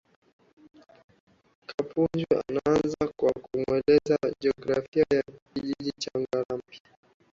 Kapunju anaanza kwa kuelezea jiografia ya Kijiji cha Ngarambi